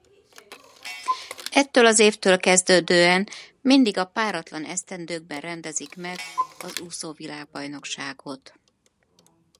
Ettől az évtől kezdődően mindig a páratlan esztendőkben rendezik meg az úszó-világbajnokságot.